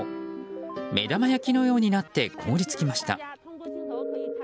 目玉焼きのようになって凍り付きました。